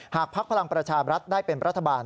หากภักดิ์พลังประชารัฐได้เป็นรัฐบาล